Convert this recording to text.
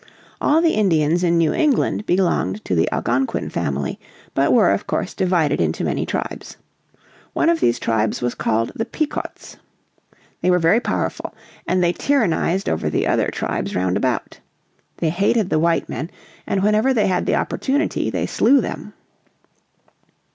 All the Indians in New England belonged to the Algonquin family, but were, of course, divided into many tribes. One of these tribes was called the Pequots. They were very powerful, and they tyrannised over the other tribes round about. They hated the white men, and whenever they had the opportunity they slew them.